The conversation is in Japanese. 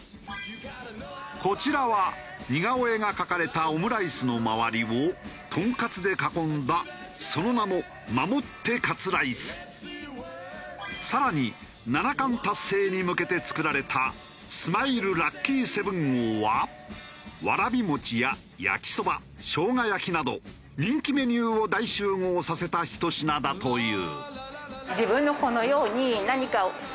こちらは似顔絵が描かれたオムライスの周りをトンカツで囲んだその名もさらに七冠達成に向けて作られたスマイルラッキー７号はわらび餅や焼きそばしょうが焼きなど人気メニューを大集合させたひと品だという。